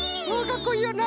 かっこいいよな。